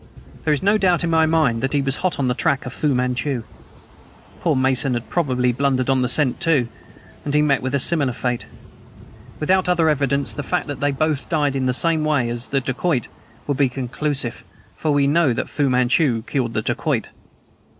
"There is no doubt in my mind that he was hot on the track of Fu Manchu! Poor Mason had probably blundered on the scent, too, and he met with a similar fate. Without other evidence, the fact that they both died in the same way as the dacoit would be conclusive, for we know that Fu Manchu killed the dacoit!"